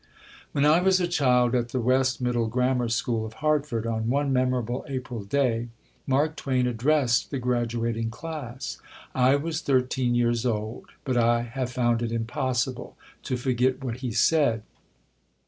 When I was a child at the West Middle Grammar School of Hartford, on one memorable April day, Mark Twain addressed the graduating class. I was thirteen years old, but I have found it impossible to forget what he said.